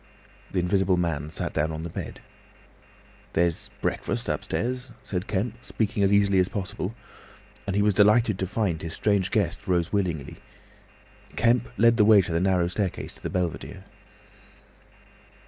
The Invisible Man sat down on the bed. "There's breakfast upstairs," said Kemp, speaking as easily as possible, and he was delighted to find his strange guest rose willingly. Kemp led the way up the narrow staircase to the belvedere.